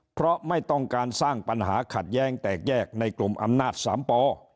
เพราะไม่ต้องการสร้างปัญหาขัดแย้งแตกแยกในกลุ่มอำนาจสามป